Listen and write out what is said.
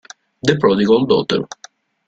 The Prodigal Daughter